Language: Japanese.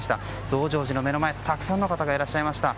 増上寺の目の前、たくさんの方がいらっしゃいました。